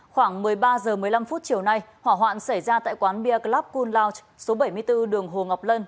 khoảng một mươi ba h một mươi năm chiều nay hỏa hoạn xảy ra tại quán beer club cool lounge số bảy mươi bốn đường hồ ngọc lân